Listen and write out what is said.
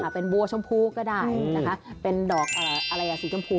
ใช่ค่ะเป็นบัวชมพูก็ได้นะคะเป็นดอกอะไรสีชมพู